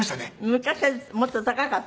昔はもっと高かったですね。